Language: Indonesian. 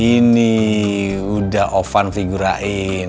ini udah ovan figurain